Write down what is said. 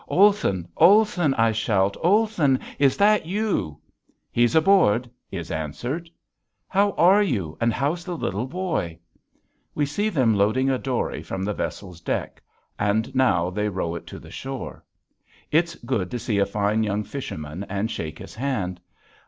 "Olson, Olson," I shout, "Olson, is that you?" "He's aboard," is answered, "How are you, and how's the little boy?" We see them loading a dory from the vessel's deck, and now they row it to the shore. It's good to see a fine young fisherman and shake his hand.